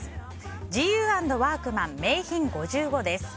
ＧＵ＆ワークマン名品５５です。